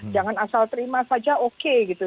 jangan asal terima saja oke gitu